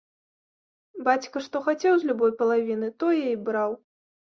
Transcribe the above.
Бацька што хацеў з любой палавіны, тое і браў.